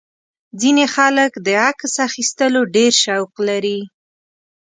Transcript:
ځینې خلک د عکس اخیستلو ډېر شوق لري.